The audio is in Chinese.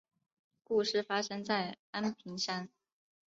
故事发生在安平山。